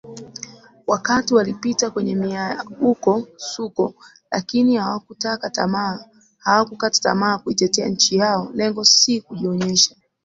wakati walipita kwenye miauko suko lakini awakukata tamaa kuitetea nchi yao lengo si kujionyesha